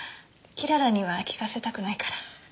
雲母には聞かせたくないから。